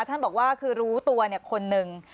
ท่านบอกว่าคือรู้ตัวคนหนึ่ง